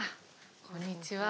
こんにちは。